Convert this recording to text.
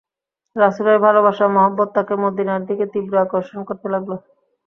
রাসূলের ভালবাসা মহব্বত তাঁকে মদীনার দিকে তীব্র আকর্ষণ করতে লাগল।